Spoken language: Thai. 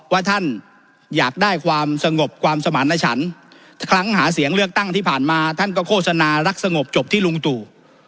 ว่าท่านอยากได้ความสงบความสมารณชันครั้งหาเสียงเลือกตั้งที่ผ่านมาท่านก็โฆษณารักสงบจบที่ลุงตู่